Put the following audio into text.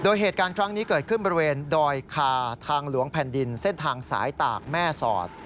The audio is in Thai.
โดยเหตุการณ์ครั้งนี้เกิดขึ้นบริเวณดอยคาทางหลวงแผ่นดินเส้นทางสายตากแม่สอด